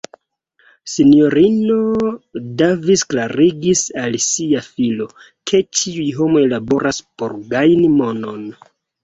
S-ino Davis klarigis al sia filo, ke ĉiuj homoj laboras por gajni monon.